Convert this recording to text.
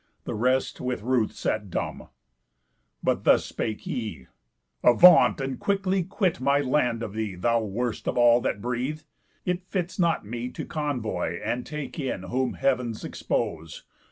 The rest with ruth sat dumb. But thus spake he: 'Avaunt, and quickly quit my land of thee, Thou worst of all that breathe. It fits not me To convoy, and take in, whom Heav'ns expose.